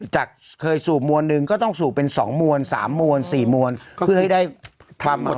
จากเคยสูบมวลหนึ่งก็ต้องสูบเป็น๒มวล๓มวล๔มวลเพื่อให้ได้ทำ